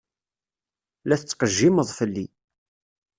La tettqejjimeḍ fell-i.